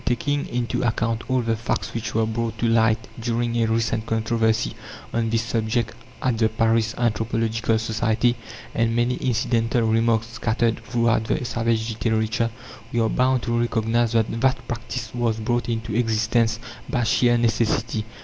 Taking into account all the facts which were brought to light during a recent controversy on this subject at the Paris Anthropological Society, and many incidental remarks scattered throughout the "savage" literature, we are bound to recognize that that practice was brought into existence by sheer necessity.